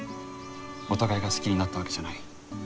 お互いが好きになったわけじゃない。